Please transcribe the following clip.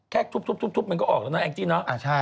แค่ทุบมันก็ออกแล้วนะแองจี้เนอะ